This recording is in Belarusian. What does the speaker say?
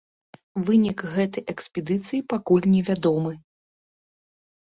Вынік гэтай экспедыцыі пакуль невядомы.